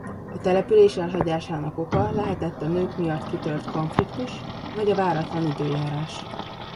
A település elhagyásának oka lehetett a nők miatt kitört konfliktus vagy a váratlan időjárás.